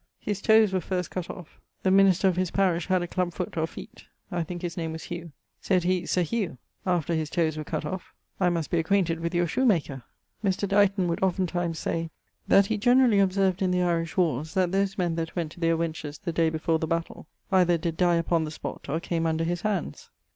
His toes were first cutt off. The minister of his parish had a clubbe foote or feete (I think his name was Hugh). Said he, 'Sir Hugh' after his toes were cutt off 'I must be acquainted with your shoemaker.' [CXXXIV.] Mr. Dighton would oftentimes say that he generally observ'd in the Irish warres that those men that went to their wenches the day before the battayle either did dye upon the spott or came under his handes.